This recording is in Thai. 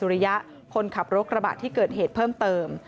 ระยะคนขับรถกระบะที่เกิดเหตุเพิ่มเติม